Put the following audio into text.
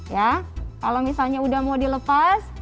ya kalau misalnya udah mau dilepas